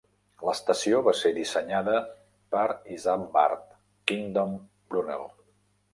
L'estació va ser dissenyada per Isambard Kingdom Brunel.